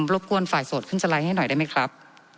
รบกวนฝ่ายโสดขึ้นสไลด์ให้หน่อยได้ไหมครับ